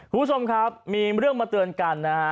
ผู้ชมครับมีเรื่องมาเตือนกันนะครับ